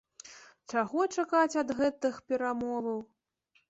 Чаго чакаць ад гэтых перамоваў?